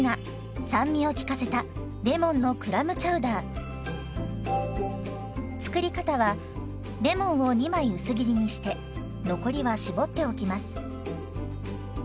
酸味を効かせた作り方はレモンを２枚薄切りにして残りは搾っておきます。